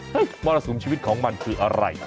มรสุมชีวิตของมันคืออะไร